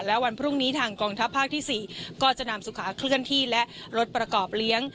และวันพรุ่งนี้ทางกองทัพภาคที่๔ก็จะนำสุขาเคลื่อนที่และรถประกอบเลี้ยง